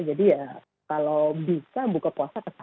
jadi ya kalau bisa buka puasa kesana